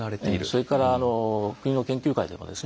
それからあの国の研究会でもですね